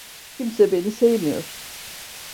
Kimse beni sevmiyor.